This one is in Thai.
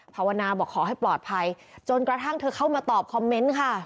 ภาวนาบอกขอให้ปลอดภัยจนกระทั่งเธอเข้ามาตอบคอมเมนต์ค่ะ